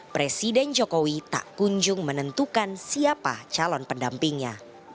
presiden jokowi tak kunjung menentukan siapa calon pendampingnya